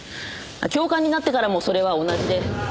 教官になってからもそれは同じで。